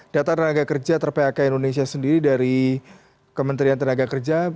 data tenaga kerja ter phk indonesia sendiri dari kementerian tenaga kerja